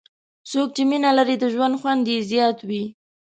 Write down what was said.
څوک چې مینه لري، د ژوند خوند یې زیات وي.